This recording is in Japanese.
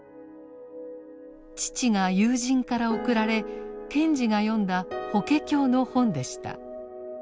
父が友人から贈られ賢治が読んだ法華経の本でした。